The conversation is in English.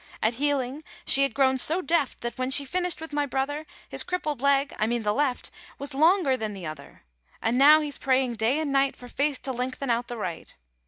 At healing she had grown so deft That when she finished with my brother, His crippled leg, I mean the left, Was longer than the other! And now he's praying, day and night, For faith to lengthen out the right.